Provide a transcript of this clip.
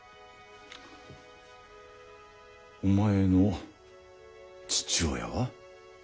お前の父親は？